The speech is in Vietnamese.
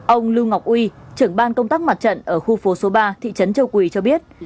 ông lưu ngọc uy trưởng ban công tác mặt trận ở khu phố số ba thị trấn châu quỳ cho biết